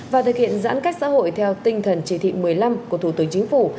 và thực hiện giãn cách xã hội theo tinh thần chỉ thị một mươi năm của thủ tướng chính phủ